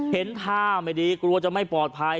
เห็นท่าไม่ดีกลัวจะไม่ปลอดภัย